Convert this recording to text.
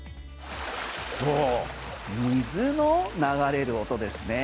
そう、水の流れる音ですね。